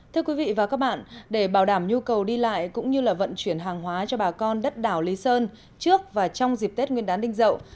thưa quý vị và các bạn để bảo đảm nhu cầu đi lại cũng như là vận chuyển hàng hóa cho bà con đất đảo lý sơn trước và trong dịp tết nguyên đán đinh rậu